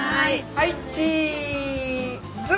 はいチーズ。